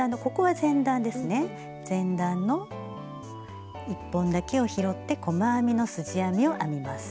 前段の１本だけを拾って細編みのすじ編みを編みます。